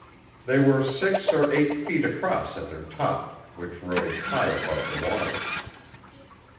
They were six or eight feet across at their top, which rose high above the water.